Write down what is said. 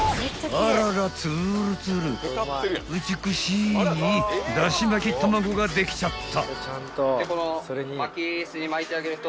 ［あららつるつるうちゅくしいだし巻き卵ができちゃった］